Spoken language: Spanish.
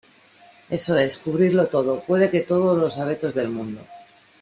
eso es, cubrirlo todo. puede que todos los abetos del mundo